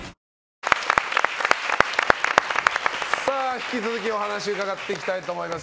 引き続きお話伺っていきたいと思います。